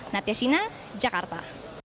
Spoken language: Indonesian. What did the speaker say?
natya sina jakarta